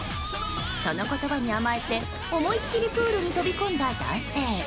その言葉に甘えて思い切りプールに飛び込んだ男性。